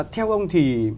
theo ông thì